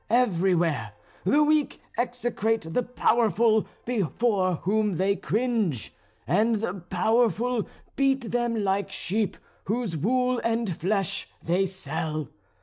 Everywhere the weak execrate the powerful, before whom they cringe; and the powerful beat them like sheep whose wool and flesh they sell.